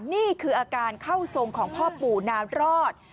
นี่คืออาการเข้าทรงของพ่อปู่นารอด